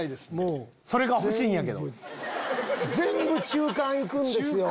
全部中間行くんですよ。